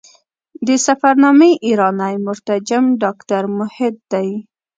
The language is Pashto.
د سفرنامې ایرانی مترجم ډاکټر موحد دی.